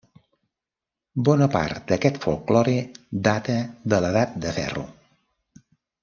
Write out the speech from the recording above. Bona part d'aquest folklore data de l'Edat de Ferro.